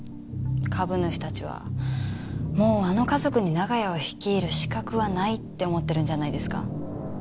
株主たちはもうあの家族に長屋を率いる資格はないって思ってるんじゃないですか？